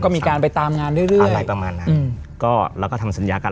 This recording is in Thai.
ก็มีการไปตามงานเรื่อยเรื่อยอะไรประมาณนั้นก็แล้วก็ทำสัญญากัน